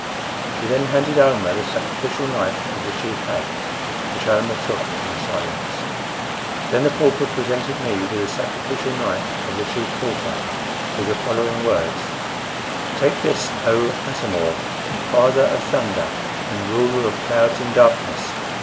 She then handed Almah the sacrificial knife of the Chief Hag, which Almah took in silence. Then the pauper presented me with the sacrificial knife of the Chief Pauper, with the following words: "Take this, O Atam or, Father of Thunder and Ruler of Clouds and Darkness.